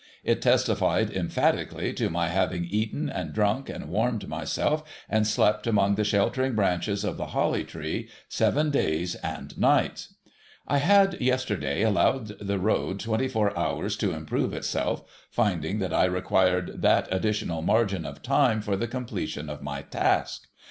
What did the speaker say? It testified emphati cally to my having eaten and drunk, and warmed myself, and slept among the sheltering branches of the Holly Tree, seven days and nights. I had yesterday allowed the road twenty four hours to improve itself, finding that I required that additional margin of time for the completion of my task.